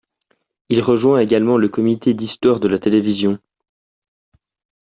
Il rejoint également le Comité d'histoire de la Télévision.